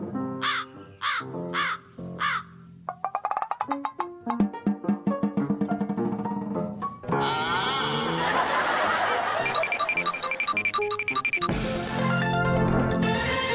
โปรดติดตามตอนต่อไป